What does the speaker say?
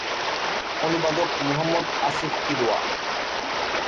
অনুবাদক মুহাম্মদ আসিফ কিদওয়া।